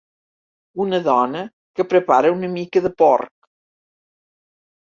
Una dona que prepara una mica de porc.